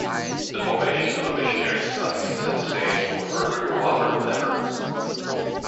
The formation of a missionary society set the stage for further "co-operative" efforts.